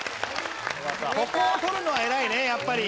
ここを取るのは偉いねやっぱり。